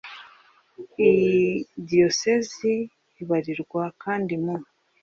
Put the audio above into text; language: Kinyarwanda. Iyo diyosezi ibarirwa kandi mu